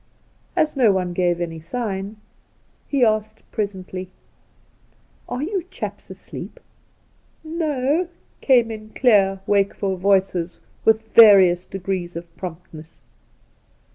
As no one gave any sign, he asked presently :' Are you chaps asleep 1' ' No I' came in clear, wakeful voices, with various degrees of promptness.